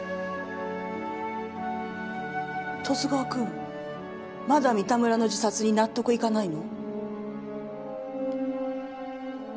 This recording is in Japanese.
十津川君まだ三田村の自殺に納得いかないの？